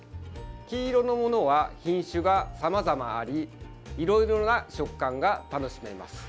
黄色のものは品種がさまざまありいろいろな食感が楽しめます。